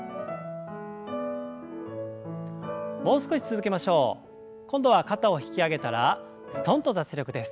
もう少し続けましょう。今度は肩を引き上げたらすとんと脱力です。